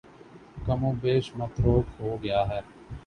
کم و بیش متروک ہو گیا ہے